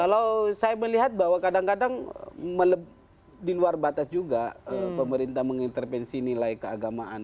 kalau saya melihat bahwa kadang kadang di luar batas juga pemerintah mengintervensi nilai keagamaan